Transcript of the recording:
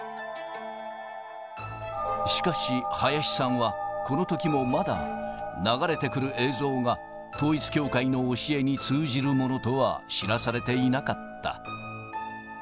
しかし、林さんは、このときもまだ、流れてくる映像が統一教会の教えに通じるものとは知らされていなかった。